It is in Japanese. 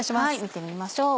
見てみましょう。